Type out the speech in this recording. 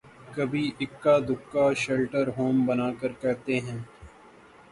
کبھی اکا دکا شیلٹر ہوم بنا کر کہتے ہیں۔